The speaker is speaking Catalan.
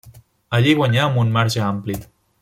Allí hi guanyà amb un marge ampli.